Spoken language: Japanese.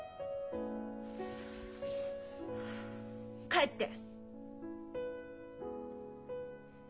帰って！